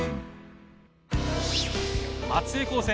松江高専